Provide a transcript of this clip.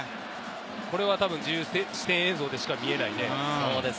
これはたぶん自由視点映像でしか見れないので。